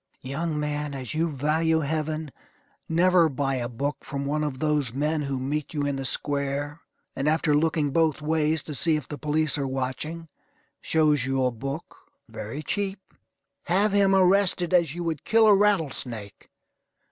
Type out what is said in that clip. Young man, as you value Heaven, never buy a book from one of those men who meet you in the square, and, after looking both ways, to see if the police are watching, shows you a book very cheap. Have him arrested as you would kill a rattle snake.